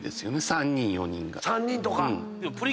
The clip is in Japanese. ３人とか。